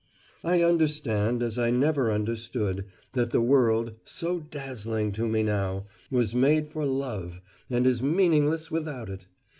"I understand, as I never understood, that the world so dazzling to me now was made for love and is meaningless without it.